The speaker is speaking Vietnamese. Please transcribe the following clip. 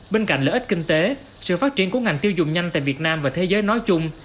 bên cạnh lợi ích kinh tế sự phát triển của ngành tiêu dùng nhanh tại việt nam và thế giới nói chung